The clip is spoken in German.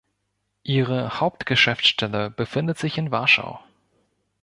Ihre Hauptgeschäftsstelle befindet sich in Warschau.